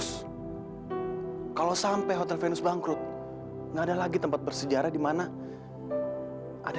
saya tidak mau tidak mau tidak mau